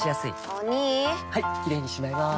お兄はいキレイにしまいます！